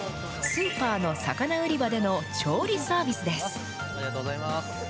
スーパーの魚売り場での調理サービスです。